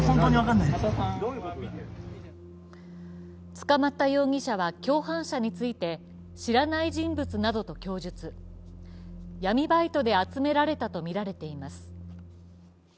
捕まった容疑者は共犯者について、知らない人物などと供述、闇バイトで集められたとみています。